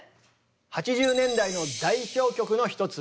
８０年代の代表曲の一つ